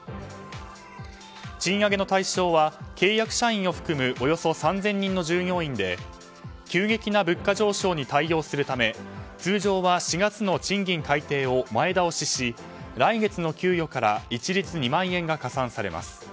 賃上げの対象は、契約社員を含むおよそ３０００人の従業員で急激な物価上昇に対応するため通常は４月の賃金改定を前倒しし来月の給与から一律２万円が加算されます。